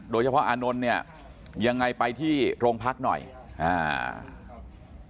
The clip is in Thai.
โดยเฉพาะอานนท์เนี่ยยังไงไปที่โรงพักหน่อยอ่า